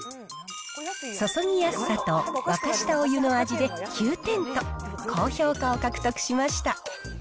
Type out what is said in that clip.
注ぎやすさと沸かしたお湯の味で９点と、高評価を獲得しました。